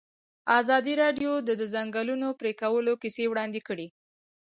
ازادي راډیو د د ځنګلونو پرېکول کیسې وړاندې کړي.